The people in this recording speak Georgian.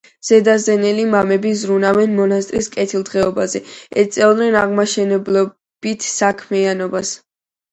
ზედაზნელი მამები ზრუნავდნენ მონასტრის კეთილდღეობაზე, ეწეოდნენ აღმშენებლობით საქმიანობას.